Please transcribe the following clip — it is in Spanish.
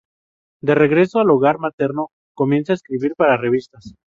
De regreso al hogar materno, comienza a escribir para revistas.